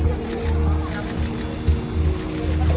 จะได้มีกู